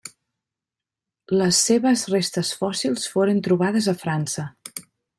Les seves restes fòssils foren trobades a França.